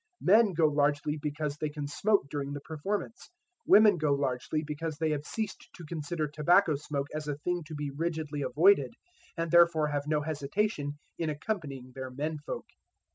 Men go largely because they can smoke during the performance; women go largely because they have ceased to consider tobacco smoke as a thing to be rigidly avoided, and therefore have no hesitation in accompanying their menfolk.